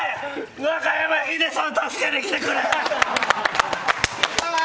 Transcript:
中山ヒデさん助けてくれ！